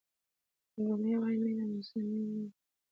رومي وایي مینه موسمي نه وي.